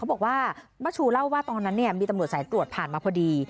บอกว่ามะชูเล่าว่าตอนนั้นเนี่ยมีตำรวจสายตรวจผ่านมาพอดี